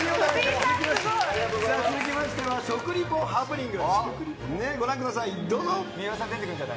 さあ、続きましては、食リポハプニング。